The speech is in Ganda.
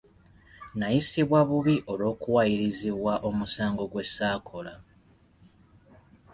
Nayisibwa bubi olw’okuwaayirizibwa omusango gwe saakola.